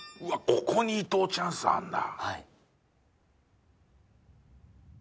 ここに伊藤チャンスあるんだ。